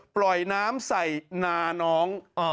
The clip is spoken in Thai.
ปล่อยน้ำใส่นาน้อง